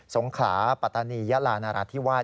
สงขาปตนียลานาราธิวาส